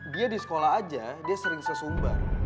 dia di sekolah aja dia sering sesumbar